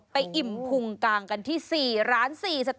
อิ่มพุงกางกันที่๔ร้าน๔สเต็